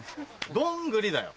どんぐりだよ。